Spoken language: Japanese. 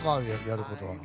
やること。